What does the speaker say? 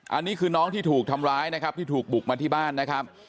อันนี้คือน้องที่ถูกทำร้ายนะครับที่ถูกบุกมาที่บ้านนะครับ